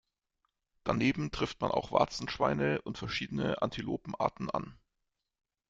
Daneben trifft man auch Warzenschweine und verschiedene Antilopenarten an.